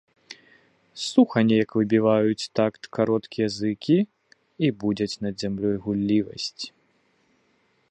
Суха неяк выбіваюць такт кароткія зыкі і будзяць над зямлёю гуллівасць.